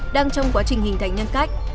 đang trong quá trình hình thành nhân cách